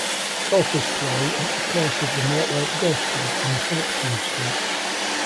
Golfers play at the course of the Mortlake Golf Club on Hopetoun Street.